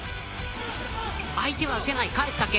相手は打てない、返すだけ。